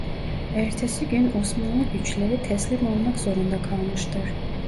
Ertesi gün Osmanlı güçleri teslim olmak zorunda kalmıştır.